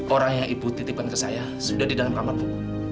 orang yang ibu titipkan ke saya sudah di dalam kamar bu